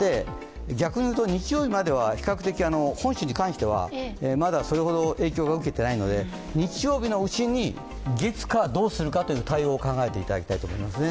したがって逆に言うと日曜日までは比較的本州に関してはまだそれほど影響を受けていないので日曜日のうちに月火、どうするかという対応を考えていただきたいと思います。